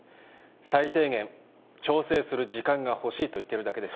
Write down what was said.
最低限調整する時間が欲しいと言ってるだけです